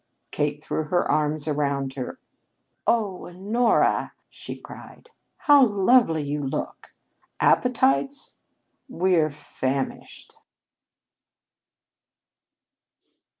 Kate threw her arms about her. "Oh, Honora," she cried. "How lovely you look! Appetites? We're famished."